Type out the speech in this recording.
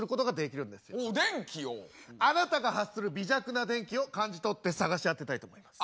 あなたが発する微弱な電気を感じ取って捜し当てたいと思います。